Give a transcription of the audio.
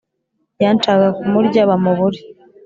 Yashakaga kumurya bamubure